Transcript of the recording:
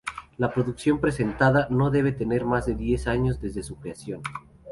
La producción presentada no debe tener más de diez años desde su creación.